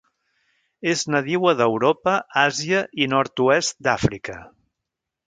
És nadiua d'Europa, Àsia, i nord-oest d'Àfrica.